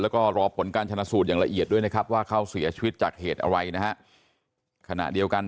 แล้วก็รอบการชนสูนอย่างละเอียดนะครับว่าเขาเสียชีพจากเหตุอะไรนะครับ